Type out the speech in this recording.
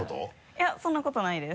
いやそんなことないです。